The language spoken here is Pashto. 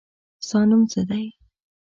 ستا نوم څه دی.